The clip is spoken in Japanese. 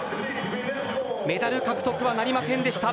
メダル獲得はなりませんでした。